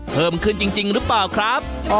เพิ่มขึ้นจริงหรือเปล่าครับ